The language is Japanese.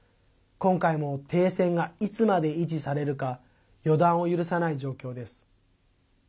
今回も停戦がいつまで維持されるか予断を許さない状況です。